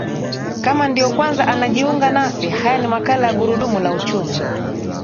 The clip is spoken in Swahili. kama ndiyo kwanza anajiunga nasi haya ni makala ya gurudumu la uchumi